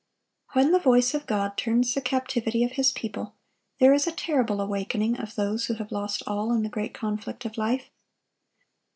When the voice of God turns the captivity of His people, there is a terrible awakening of those who have lost all in the great conflict of life.